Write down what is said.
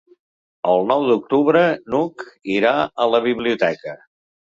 El nou d'octubre n'Hug irà a la biblioteca.